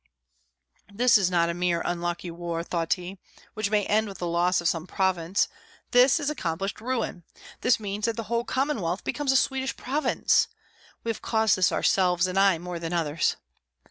"This is not a mere unlucky war," thought he, "which may end with the loss of some province; this is accomplished ruin! This means that the whole Commonwealth becomes a Swedish province. We have caused this ourselves, and I more than others."